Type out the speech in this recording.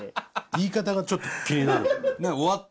言い方がちょっと気になるよね。